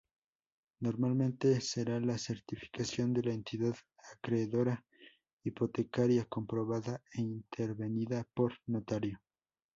Normalmente será la certificación de la entidad acreedora hipotecaria comprobada e intervenida por notario.